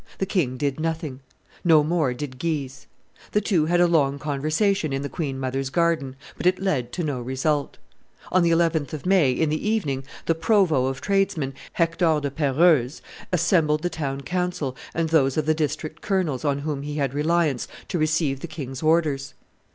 The king did nothing; no more did Guise. The two had a long conversation in the queen mother's garden; but it led to no result. On the 11th of May, in the evening, the provost of tradesmen, Hector de Perreuse, assembled the town council and those of the district colonels on whom he had reliance to receive the king's orders.